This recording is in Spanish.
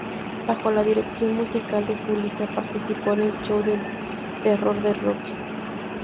Bajo la dirección musical de Julissa participó en "El show de terror de Rocky".